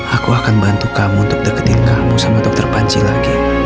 aku akan bantu kamu untuk deketin kamu sama dokter panci lagi